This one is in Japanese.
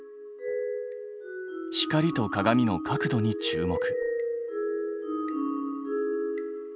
光と鏡の角度に注目。